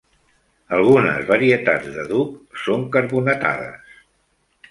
Algunes varietats de "doogh" són carbonatades.